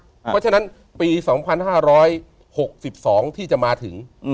เพราะฉะนั้นปี๒๕๖๒ที่จะมาถึง